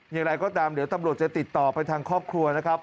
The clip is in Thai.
อย่างไรก็ตามเดี๋ยวตำรวจจะติดต่อไปทางครอบครัวนะครับ